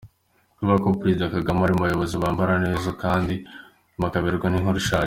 Kuvuga ko Perezida Kagame ari mu bayobozi Bambara neza kandi bakaberwa ni inkuru ishaje.